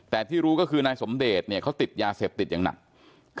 แต่ที่รู้ก็คือนายสมเดชเนี่ยเขาติดยาเสพติดอย่างหนัก